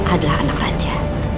adalah anak raja